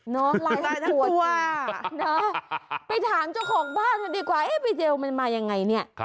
ออนไลน์ทั้งตัวนะไปถามเจ้าของบ้านกันดีกว่าเอ๊ะไปเจลมันมายังไงเนี่ย